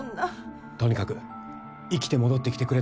とにかく生きて戻ってきてくれたら。